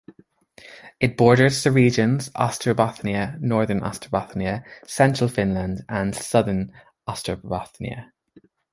It borders to the regions Ostrobothnia, Northern Ostrobothnia, Central Finland and Southern Ostrobothnia.